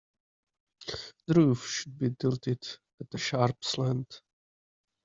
The roof should be tilted at a sharp slant.